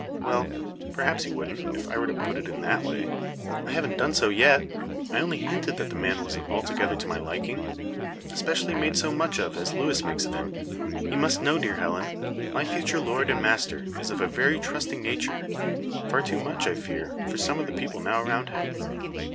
"Well, perhaps he wouldn't if I were to put it in that way. I haven't done so yet. I only hinted that the man wasn't altogether to my liking; especially made so much of as Luis makes of him. You must know, dear Helen, my future lord and master is of a very trusting nature; far too much, I fear, for some of the people now around him.